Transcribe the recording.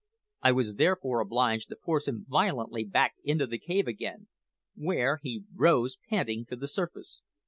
I was therefore obliged to force him violently back into the cave again, where he, rose panting to the surface.